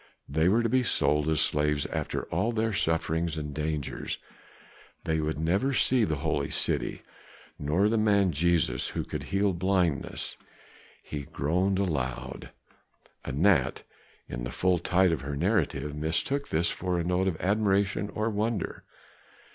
They were to be sold as slaves after all of their sufferings and dangers; they would never see the Holy City, nor the man Jesus who could heal blindness. He groaned aloud. Anat, in the full tide of her narrative, mistook this for a note of admiration or wonder.